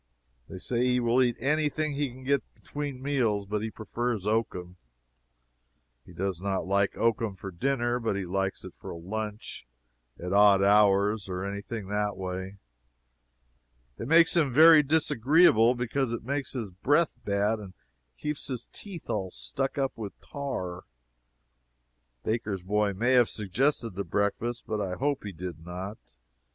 They say he will eat any thing he can get between meals, but he prefers oakum. He does not like oakum for dinner, but he likes it for a lunch, at odd hours, or any thing that way. It makes him very disagreeable, because it makes his breath bad, and keeps his teeth all stuck up with tar. Baker's boy may have suggested the breakfast, but I hope he did not.